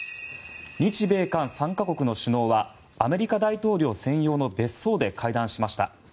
日米韓３か国の首脳はアメリカ大統領専用の別荘で会談しました。